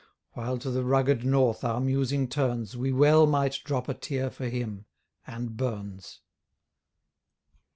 While to the rugged north our musing turns We well might drop a tear for him, and Burns.